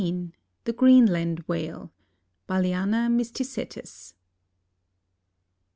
] THE GREENLAND WHALE. (_Balaena mysticetus.